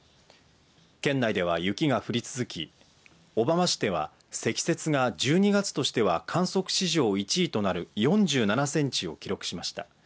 県内では雪が降り続き小浜市では積雪が１２月としては観測史上１位となる４７センチを記録しました。